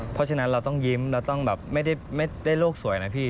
เพราะฉะนั้นเราต้องยิ้มเราต้องแบบไม่ได้โลกสวยนะพี่